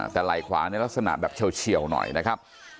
แต่ไหล่ขวาเนี่ยลักษณะแบบเฉียวหน่อยนะครับ